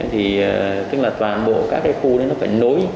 thì tức là toàn bộ các khu nó phải nối